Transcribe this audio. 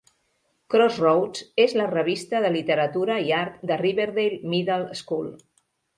"Crossroads" és la revista de literatura i art de Riverdale Middle School.